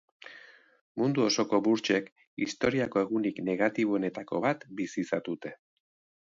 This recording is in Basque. Mundu osoko burtsek historiako egunik negatiboenetako bat bizi izan dute.